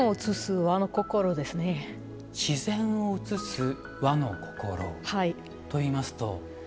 「自然を映す和の心」といいますと？